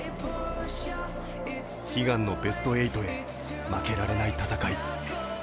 悲願のベスト８へ負けられない戦い。